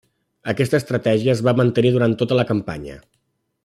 Aquesta estratègia es va mantenir durant tota la campanya.